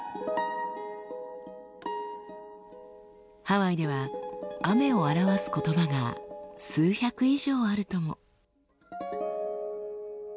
ハワイでは「雨」を表す言葉が数百以上あるとも。